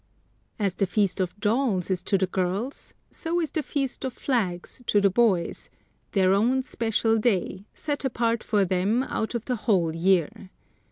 As the Feast of Dolls is to the girls, so is the Feast of Flags to the boys, their own special day, set apart for them out of the whole year.